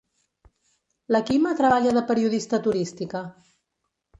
La Quima treballa de periodista turística.